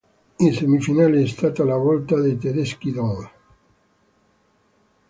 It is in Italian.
In semifinale è stata la volta dei tedeschi dell'.